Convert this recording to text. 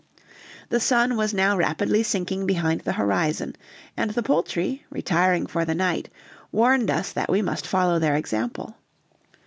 The sun was now rapidly sinking behind the horizon, and the poultry, retiring for the night, warned us that we must follow their example.